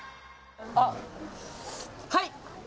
あっはい！